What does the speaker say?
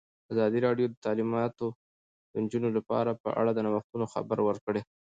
ازادي راډیو د تعلیمات د نجونو لپاره په اړه د نوښتونو خبر ورکړی.